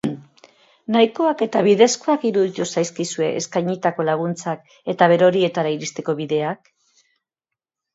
Nahikoak eta bidezkoak iruditu zaizkizue eskainitako laguntzak eta berorietara iristeko bideak?